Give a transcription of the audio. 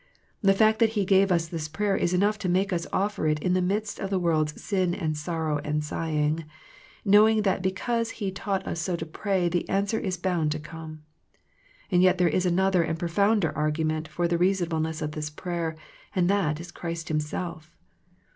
The fact that He gave us this prayer is enough to make us offer it in the midst of the world's sin and sorrow and sighing, knowing that because He taught us so to pray the answer is bound to come. And yet there is another and profounder argu ment for the reasonableness of this prayer, and that is Christ Himself.